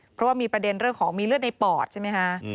เพราะว่ามีประเด็นเรื่องของมีเลือดในปอดใช่ไหมคะ